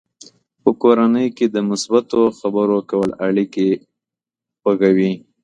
په کورنۍ کې د مثبتو خبرو کول اړیکې خوږوي.